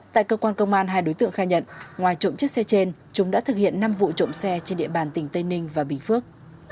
tại cơ quan công an hai đối tượng khai nhận ngoài trộm chiếc xe trên chúng đã thực hiện năm vụ trộm xe trên địa bàn tỉnh tây ninh và bình phước